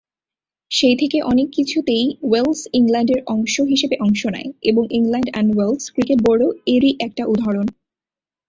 সেই থেকে অনেক কিছুতেই ওয়েলস ইংল্যান্ডের অংশ হিসেবে অংশ নেয় এবং ইংল্যান্ড এন্ড ওয়েলস ক্রিকেট বোর্ড-ও এরই একটা উদাহরণ।